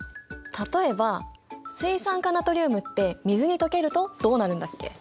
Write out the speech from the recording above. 例えば水酸化ナトリウムって水に溶けるとどうなるんだっけ？